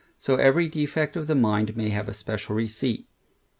So every defect of the mind, may have a special receipt.